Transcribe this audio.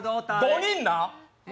５人な！